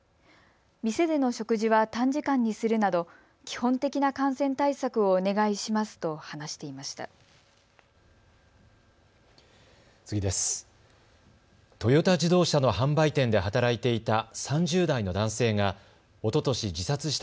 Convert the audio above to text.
店での食事は短時間にするなど基本的な感染対策をお願いしますと話していました。